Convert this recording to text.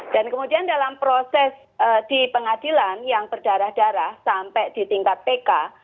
kemudian dalam proses di pengadilan yang berdarah darah sampai di tingkat pk